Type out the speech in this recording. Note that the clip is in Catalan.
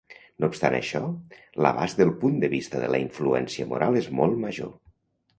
No obstant això, l'abast del punt de vist de la influència moral és molt major.